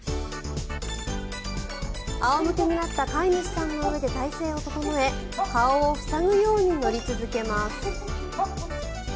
仰向けになった飼い主さんの上で体勢を整え顔を塞ぐように乗り続けます。